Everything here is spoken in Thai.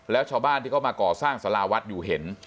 แล้วชาวบ้านที่เขามาก่อสร้างสาราวัดอยู่เห็น